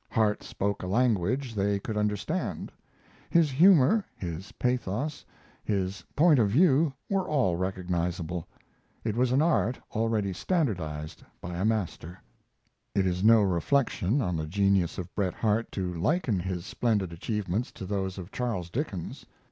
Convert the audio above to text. Harte spoke a language they could understand; his humor, his pathos, his point of view were all recognizable. It was an art already standardized by a master. It is no reflection on the genius of Bret Harte to liken his splendid achievements to those of Charles Dickens.